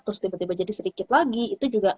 terus tiba tiba jadi sedikit lagi itu juga